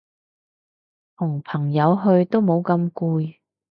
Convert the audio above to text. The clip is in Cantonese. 同朋友去都冇咁攰